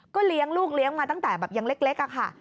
เลี้ยงลูกเลี้ยงมาตั้งแต่แบบยังเล็กอะค่ะ